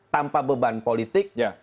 tanpa beban politik